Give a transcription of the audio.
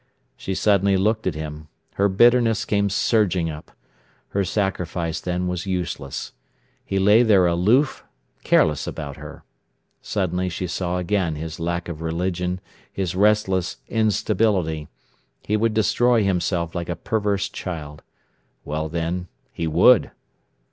She suddenly looked at him. Her bitterness came surging up. Her sacrifice, then, was useless. He lay there aloof, careless about her. Suddenly she saw again his lack of religion, his restless instability. He would destroy himself like a perverse child. Well, then, he would!